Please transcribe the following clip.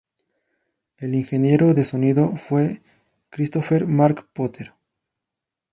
El ingeniero de sonido fue Christopher Marc Potter.